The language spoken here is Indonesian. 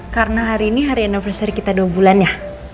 karena hari ini hari anniversary kita dua bulan ya